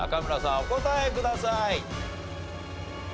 お答えください。